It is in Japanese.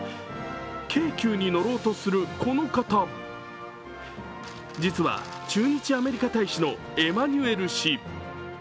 京急に乗ろうとするこの方実は駐日アメリカ大使のエマニュエル氏。